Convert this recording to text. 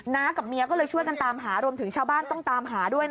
กับเมียก็เลยช่วยกันตามหารวมถึงชาวบ้านต้องตามหาด้วย